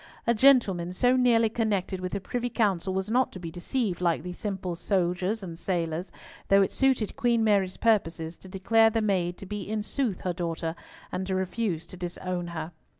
A gentleman, so nearly connected with the Privy Council, was not to be deceived like these simple soldiers and sailors, though it suited Queen Mary's purposes to declare the maid to be in sooth her daughter, and to refuse to disown her.